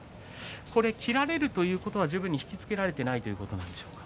切られるということはまわしを引き付けられてないということなんでしょうか。